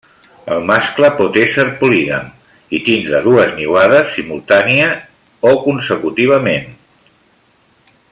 El mascle pot ésser polígam i tindre dues niuades simultàniament o consecutiva.